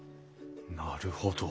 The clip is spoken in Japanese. なるほど。